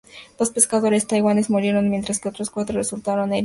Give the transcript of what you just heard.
Dos pescadores taiwaneses murieron, mientras que otros cuatro resultaron heridos.